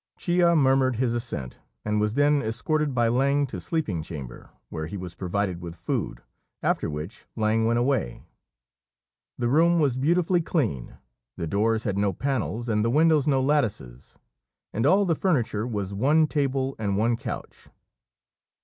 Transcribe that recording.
Chia murmured his assent, and was then escorted by Lang to sleeping chamber where he was provided with food, after which Lang went away. The room was beautifully clean: the doors had no panels and the windows no lattices; and all the furniture was one table and one couch.